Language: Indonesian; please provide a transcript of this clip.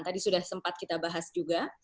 tadi sudah sempat kita bahas juga